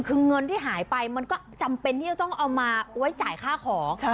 คือเงินที่หายไปมันก็จำเป็นที่จะต้องเอามาไว้จ่ายค่าของ